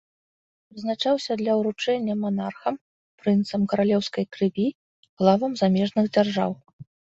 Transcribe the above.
Прызначаўся для ўручэння манархам, прынцам каралеўскай крыві, главам замежных дзяржаў.